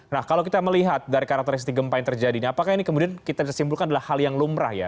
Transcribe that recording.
nah kalau kita melihat dari karakteristik gempa yang terjadi ini apakah ini kemudian kita bisa simpulkan adalah hal yang lumrah ya